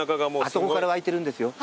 あそこから湧いてるんですよ。